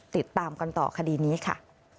ติดตามกันต่อคดีนี้ค่ะ